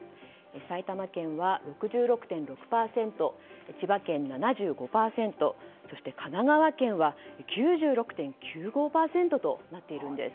埼玉県は６６．６％千葉県、７５％そして神奈川県は９６．９５％となっているんです。